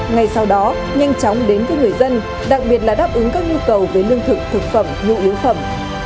ngay sau đó nhanh chóng đến với người dân đặc biệt là đáp ứng các nhu cầu về lương thực thực phẩm nhu yếu phẩm